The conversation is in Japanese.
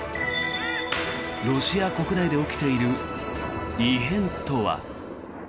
ロシア国内で起きている異変とは。